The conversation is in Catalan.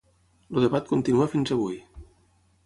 El debat continua fins avui.